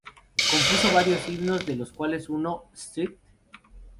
Compuso varios himnos, de los cuales uno, "St.